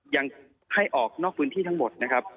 ยังให้ออกนอกพื้นที่ทั้งหมดนะครับ